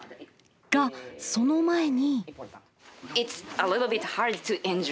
がその前に。